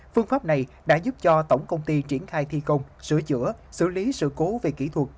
phương pháp này đã giúp cho tổng công ty triển khai thi công sửa chữa xử lý sự cố về kỹ thuật